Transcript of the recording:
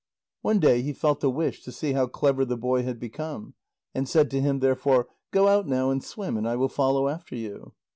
One day he felt a wish to see how clever the boy had become. And said to him therefore: "Go out now and swim, and I will follow after you."